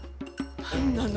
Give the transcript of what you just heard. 何なの？